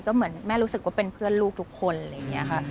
ก็เหมือนแม่รู้สึกว่าเป็นเพื่อนลูกทุกคนอะไรอย่างนี้ค่ะ